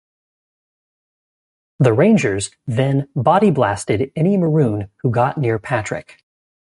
The Rangers then body-blasted any Maroon who got near Patrick.